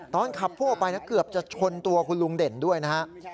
ตอนขับพุ่งออกไปนะเกือบจะชนตัวคุณลุงเด่นด้วยนะฮะ